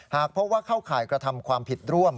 หากพบว่าเข้าข่ายกระทำความผิดร่วม